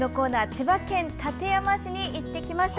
千葉県館山市に行ってきました。